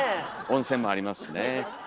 温泉もありますしね。